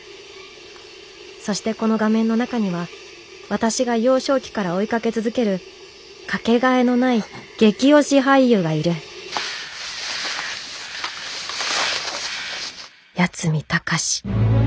そしてこの画面の中には私が幼少期から追いかけ続ける掛けがえのない激推し俳優がいる八海崇。